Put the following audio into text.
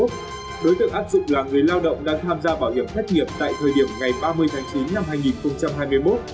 đối tượng áp dụng là người lao động đang tham gia bảo hiểm thất nghiệp tại thời điểm ngày ba mươi tháng chín năm hai nghìn hai mươi một